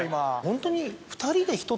ホントに。